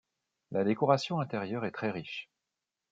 La décoration intérieure est très riche.